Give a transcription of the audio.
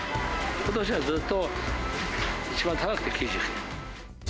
ことしはずっと、一番高くて９９円。